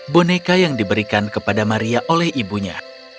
boneka yang diberikan kepada maria oleh ibunya